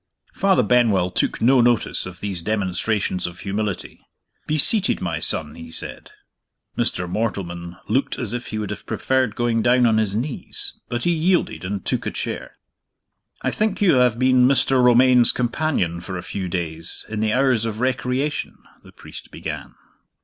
Father Benwell took no notice of these demonstrations of humility. "Be seated, my son," he said. Mr. Mortleman looked as if he would have preferred going down on his knees, but he yielded, and took a chair. "I think you have been Mr. Romayne's companion for a few days, in the hours of recreation?" the priest began.